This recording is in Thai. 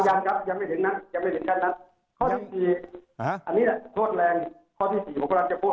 ยังไม่ถึงนั้นอันนี้โทษแรงของพระราชโภต